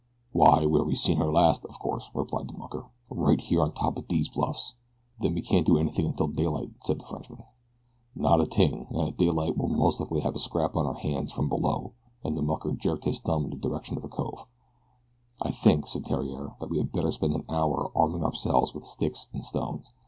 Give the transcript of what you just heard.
"Why, where we seen her last, of course," replied the mucker. "Right here on top of dese bluffs." "Then we can't do anything until daylight," said the Frenchman. "Not a ting, and at daylight we'll most likely have a scrap on our hands from below," and the mucker jerked his thumb in the direction of the cove. "I think," said Theriere, "that we had better spend an hour arming ourselves with sticks and stones.